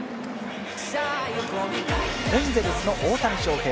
エンゼルスの大谷翔平